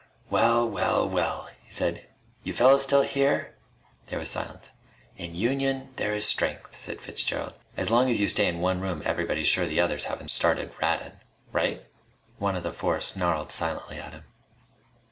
"Well, well, well!" he said. "You fellas still here!" There was silence. "In union there is strength," said Fitzgerald. "As long as you stay in one room everybody's sure the others haven't started rattin'. Right?" One of the four snarled silently at him.